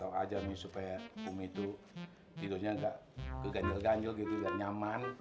abah cuma kasih tau aja mi supaya umi itu tidurnya nggak keganjel ganjel gitu nggak nyaman